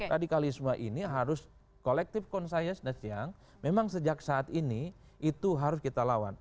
radikalisme ini harus kolektif konsayes dan siang memang sejak saat ini itu harus kita lawan